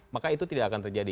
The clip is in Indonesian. maka itu tidak akan terjadi